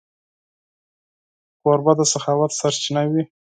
کوربه د سخاوت سرچینه وي.